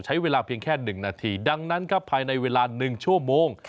ใช้เวลาเพียงแค่๑นาทีดังนั้นครับภายในเวลา๑ชั่วโมง